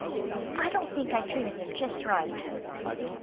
I don't think I treated him just right."